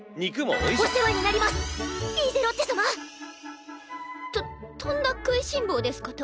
お世話になりますリーゼロッテ様！ととんだ食いしん坊ですこと。